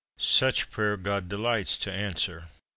"^ Such prayer God delights to answer.